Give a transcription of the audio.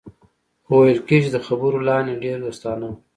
خو ویل کېږي چې د خبرو لحن یې ډېر دوستانه و